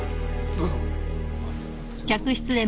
どうぞ。